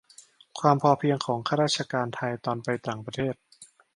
ความพอเพียงของข้าราชการไทยตอนไปต่างประเทศ